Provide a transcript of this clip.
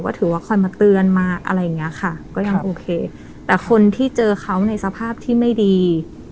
ก็ถือว่าคอยมาเตือนมาอะไรอย่างเงี้ยค่ะก็ยังโอเคแต่คนที่เจอเขาในสภาพที่ไม่ดี